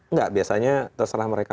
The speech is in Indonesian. nggak biasanya terserah mereka